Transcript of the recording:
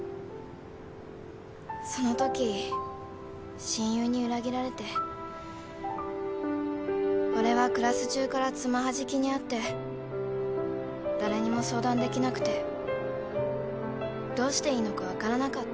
そのとき親友に裏切られて俺はクラス中から爪はじきに遭って誰にも相談できなくてどうしていいのか分からなかった。